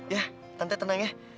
ya tante tenang ya